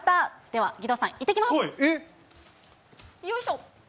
では、義堂さん、行ってきます。